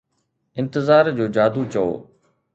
انتظار جو جادو چئو